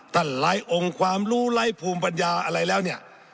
ไร้องค์ความรู้ไร้ภูมิปัญญาอะไรแล้วเนี่ย